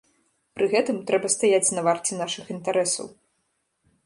Пры гэтым трэба стаяць на варце нашых інтарэсаў.